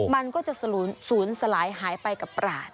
มันก็จะศูนย์สลายหายไปกับปราศ